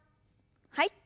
はい。